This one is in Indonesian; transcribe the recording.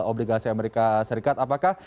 obligasi amerika serikat apakah